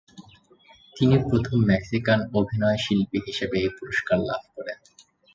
তিনি প্রথম মেক্সিকান অভিনয়শিল্পী হিসেবে এই পুরস্কার লাভ করেন।